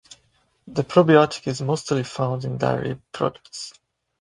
The probiotic is mostly found in dairy products.